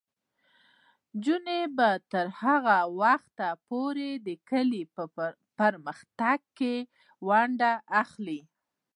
نجونې به تر هغه وخته پورې د کلي په پرمختګ کې ونډه اخلي.